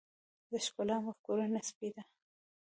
د ښکلا مفکوره نسبي ده.